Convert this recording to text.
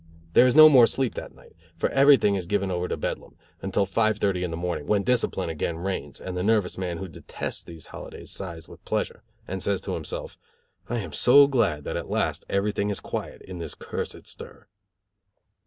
There is no more sleep that night, for everything is given over to Bedlam, until five thirty in the morning, when discipline again reigns, and the nervous man who detests these holidays sighs with pleasure, and says to himself: "I am so glad that at last everything is quiet in this cursed stir."